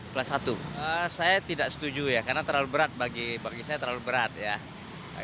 kelas satu saya tidak setuju ya karena terlalu berat bagi saya terlalu berat ya